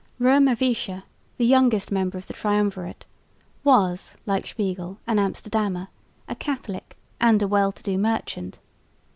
Roemer Visscher, the youngest member of the triumvirate, was like Spiegel an Amsterdammer, a Catholic and a well to do merchant.